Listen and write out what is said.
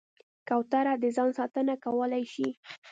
کوتره د ځان ساتنه کولی شي.